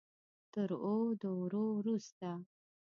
تر اوو دورو وروسته.